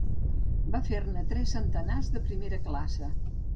Va fer-ne tres centenars de primera classe.